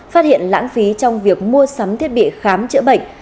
phát hiện lãng phí trong việc mua sắm thiết bị khám chữa bệnh